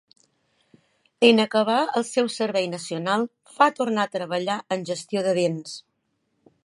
En acabar el seu Servei Nacional, va tornar a treballar en Gestió de Béns.